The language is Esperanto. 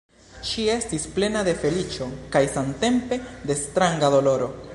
Ŝi estis plena de feliĉo kaj samtempe de stranga doloro.